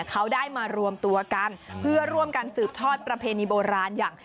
เขาได้มารวมตัวกันเพื่อร่วมกันสืบทอดประเพณีโบราณอย่าง